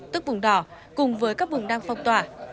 tức vùng đỏ cùng với các vùng đang phong tỏa